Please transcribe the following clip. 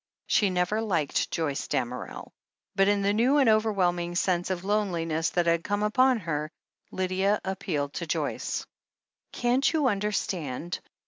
She had never liked Joyce Damerel, but in the new and overwhelming sense of loneliness that had come upon her, Lydia appealed to Joyce. "Can't you understand?